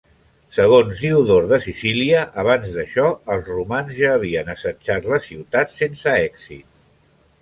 Segons Diodor de Sicília abans d'això els romans ja havien assetjat la ciutat sense èxit.